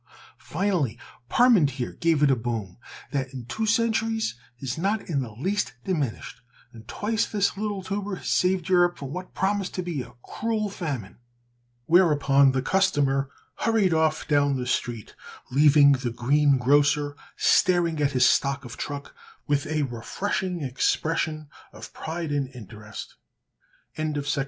Finally Parmentier gave it a boom that in two centuries has not in the least diminished, and twice this little tuber has saved Europe from what promised to be a cruel famine." Whereupon the customer hurried off down the street, leaving the green grocer staring at his stock of truck with a refreshing expression of pride and interest. BIRDS AND FARMERS.